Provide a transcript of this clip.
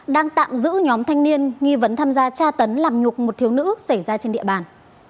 đang tạm giữ nhóm thanh niên nghi vấn tham gia tra tấn làm nhục một thiếu nữ xảy ra trên địa bàn